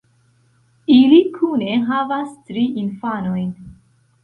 Ili kune havas tri infanojn.